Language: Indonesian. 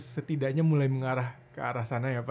setidaknya mulai mengarah ke arah sana ya pak